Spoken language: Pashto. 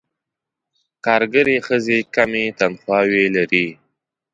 کارګرې ښځې کمې تنخواوې لري.